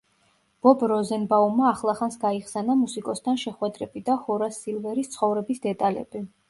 ბობ როზენბაუმა ახლახანს გაიხსენა მუსიკოსთან შეხვედრები და ჰორას სილვერის ცხოვრების დეტალები.